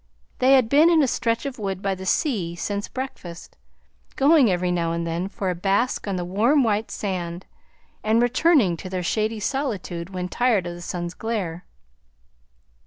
They had been in a stretch of wood by the sea since breakfast, going every now and then for a bask on the warm white sand, and returning to their shady solitude when tired of the sun's glare.